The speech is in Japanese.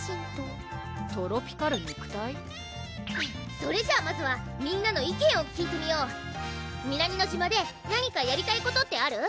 それじゃまずはみんなの意見を聞いてみよう南乃島で何かやりたいことってある？